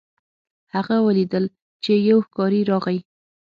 هغه ولیدل چې یو ښکاري راغی.